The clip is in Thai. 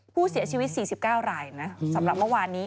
ผู้เสียชีวิต๔๙รายนะสำหรับเมื่อวานนี้